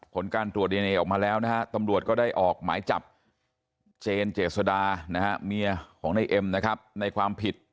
เพราะฉะนั้นเมื่อชัดเจนแล้วนะครับ